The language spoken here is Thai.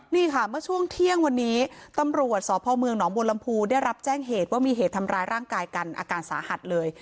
นี่ค่ะเมื่อช่วงเที่ยงวันนี้ตำรวจสพเมืองหนองบัวลำพูได้รับแจ้งเหตุว่ามีเหตุทำร้ายร่างกายกันอาการสาหัสเลย